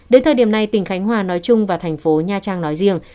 đến thời điểm này tỉnh khánh hòa nói chung và thành phố nha trang nói riêng